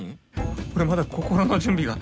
俺まだ心の準備が